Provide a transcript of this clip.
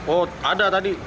oh ada tadi